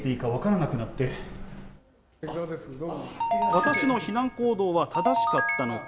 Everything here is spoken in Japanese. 私の避難行動は正しかったのか。